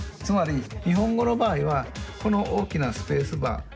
つまり日本語の場合はこの大きなスペースバー